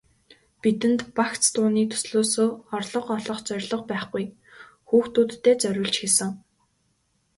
Бидэнд багц дууны төслөөсөө орлого олох зорилго байхгүй, хүүхдүүддээ зориулж хийсэн.